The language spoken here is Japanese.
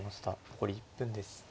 残り１分です。